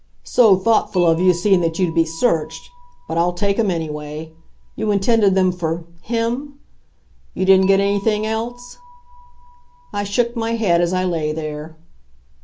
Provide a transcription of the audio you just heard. "So thoughtful of you, seeing that you'd be searched! But I'll take 'em, anyway. You intended them for Him? You didn't get anything else?" I shook my head as I lay there.